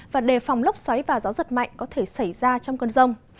và đề phòng lốc xoáy và gió giật mạnh có thể xảy ra trong cơn rông